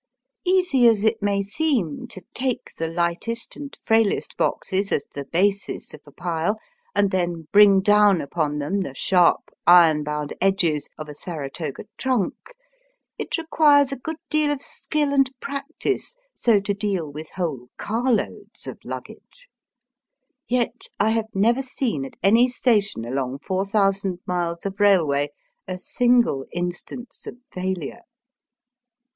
Easy as it may seem to take the Ughtest and frailest boxes as the basis of a pile, and then bring down upon them the sharp, iron bound edges of a Sara toga trunk, it requires a good deal of skill and practice so to deal with whole carloads of l^ggag© Yet I have never seen at any station along four thousand miles of railway a single instance of failure.